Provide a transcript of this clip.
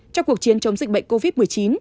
trong cuộc chiến chống dịch bệnh covid một mươi chín